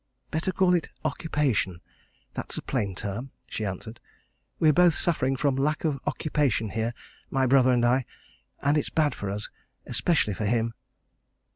"Better call it occupation that's a plain term," she answered. "We're both suffering from lack of occupation here, my brother and I. And it's bad for us especially for him."